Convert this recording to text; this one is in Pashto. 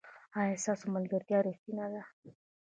ایا ستاسو ملګرتیا ریښتینې ده؟